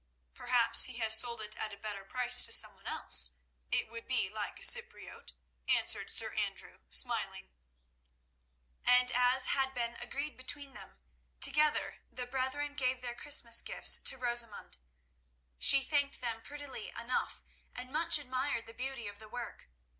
"Perhaps he has sold it at a better price to someone else; it would be like a Cypriote," answered Sir Andrew, smiling. Then they went into the hall, and as had been agreed between them, together the brethren gave their Christmas gifts to Rosamund. She thanked them prettily enough, and much admired the beauty of the work.